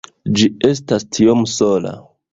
Ĝi estas tiom sola